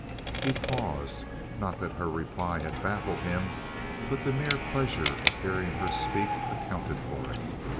He paused, not that her reply had baffled him, but the mere pleasure of hearing her speak accounted for it.